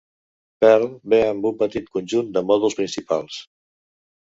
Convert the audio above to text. Perl ve amb un petit conjunt de mòduls principals.